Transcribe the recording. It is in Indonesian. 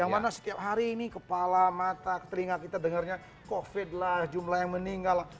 yang mana setiap hari ini kepala mata telinga kita dengarnya covid lah jumlah yang meninggal